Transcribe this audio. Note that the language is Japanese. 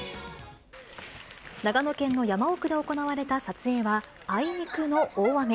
長野県の山奥で行われた撮影は、あいにくの大雨。